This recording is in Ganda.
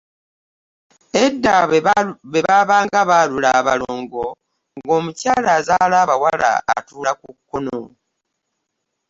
Edda bwe baabanga baalula abalongo ng'omukyala azaala abawala atuula ku kkono